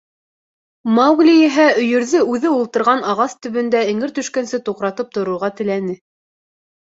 Маугли иһә өйөрҙө үҙе ултырған ағас төбөндә эңер төшкәнсе туҡратып торорға теләне.